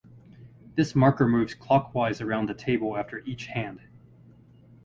This marker moves clockwise around the table after each hand.